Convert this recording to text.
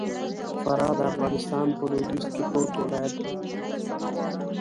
فراه د افغانستان په لوېديځ کي پروت ولايت دئ.